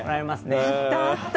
あったあった！